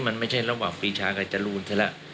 มันไม่ใช่ระหว่างปีชากับจรูนซะละ